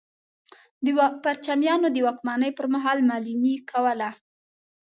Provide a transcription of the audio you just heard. د پرچمیانو د واکمنۍ پر مهال معلمي کوله.